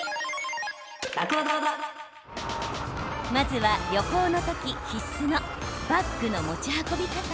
まずは旅行の時、必須のバッグの持ち運び方。